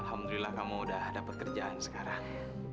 alhamdulillah kamu udah dapat kerjaan sekarang